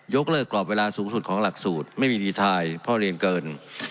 กเลิกกรอบเวลาสูงสุดของหลักสูตรไม่มีรีไทยเพราะเรียนเกิน